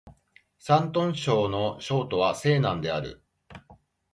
山東省の省都は済南である